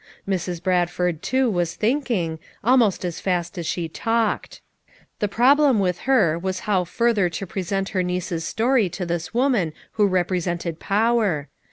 Mrs. Bradford, too, was thinking, al most as fast as she talked. The problem with 253 FOUE MOTHERS AT CHAUTAUQUA her was how further to present her niece's story to this woman who represented power.